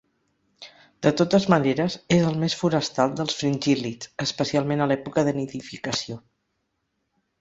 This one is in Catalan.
De totes maneres és el més forestal dels fringíl·lids, especialment a l'època de nidificació.